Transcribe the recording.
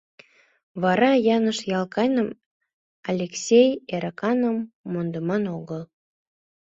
Вара Яныш Ялкайным, Алексей Эрыканым мондыман огыл.